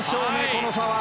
この差は。